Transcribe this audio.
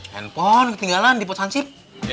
handphone ketinggalan di posansip